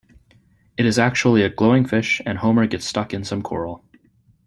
It is actually a glowing fish, and Homer gets stuck in some coral.